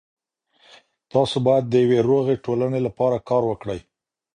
تاسو باید د یوې روغې ټولنې لپاره کار وکړئ.